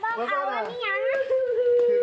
ขึ้นใกล้ว่าไปไหนอ่ะพ่อ